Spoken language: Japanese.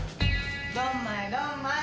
ドンマイドンマイ。